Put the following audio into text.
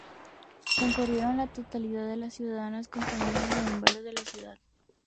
Concurrieron la totalidad de las compañías de bomberos de la ciudad.